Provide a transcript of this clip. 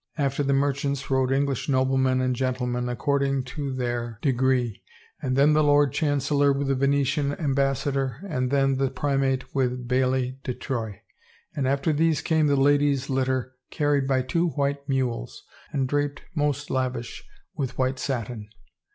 After the merchants rode English noblemen and gentlemen according to their degree, and then the Lord Chancellor with the Venetian Ambassador, and then the primate with Bailly de Troye. And after these came the lady's litter carried by two white mules and draped most lavish with white satin.